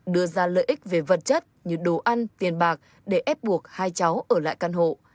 đưa ra lợi ích về vật chất như đồ ăn tiền bạc để ép buộc hai cháu ở lại căn hộ